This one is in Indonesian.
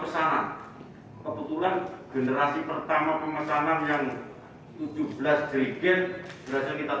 pesanan kebetulan generasi pertama pemesanan yang tujuh belas triget berasal kita tangkap